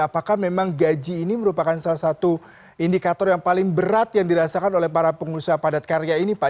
apakah memang gaji ini merupakan salah satu indikator yang paling berat yang dirasakan oleh para pengusaha padat karya ini pak